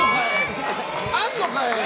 あんのかい！